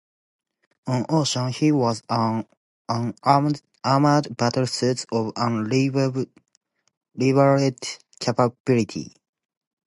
On occasion, he has worn an armored battlesuit of unrevealed capabilities.